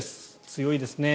強いですね。